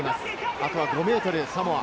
あと５ｍ、サモア。